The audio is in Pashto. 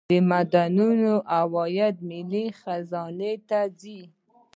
د معدنونو عواید ملي خزانې ته ځي